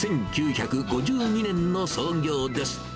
１９５２年の創業です。